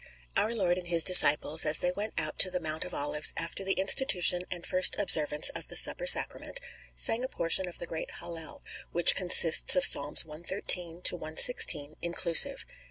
Our Lord and His disciples, as they went out to the Mount of Olives after the institution and first observance of the Supper Sacrament, sang a portion of the Great Hallel, which consists of Psalms cxiii. to cxviii. inclusive.